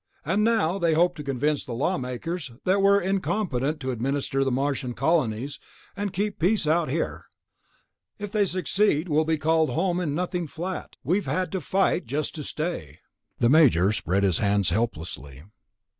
And now they hope to convince the lawmakers that we're incompetent to administer the Martian colonies and keep peace out here. If they succeed, we'll be called home in nothing flat; we've had to fight just to stay." The Major spread his hands helplessly.